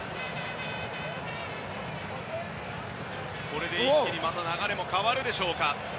これで一気に流れも変わるでしょうか。